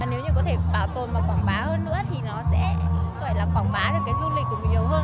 nếu như có thể bảo tồn và quảng bá hơn nữa thì nó sẽ có thể là quảng bá được cái du lịch của mình nhiều hơn